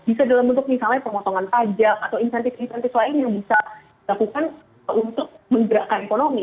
bisa dalam bentuk misalnya pemotongan pajak atau insentif insentif lain yang bisa dilakukan untuk menggerakkan ekonomi